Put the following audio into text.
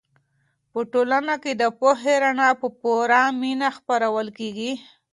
په ټولنه کې د پوهې رڼا په پوره مینه خپرول کېږي.